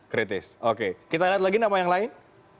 kritis oke kita lihat lagi nama yang lain